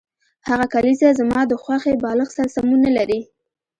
هغه کلیزه زما د خوښې بالښت سره سمون نلري